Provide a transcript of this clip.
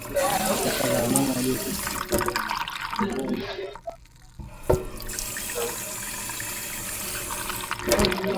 Taka za wanyama waliokufa kwa homa ya bonde la ufa inabidi kuteketezwa kwa usahihi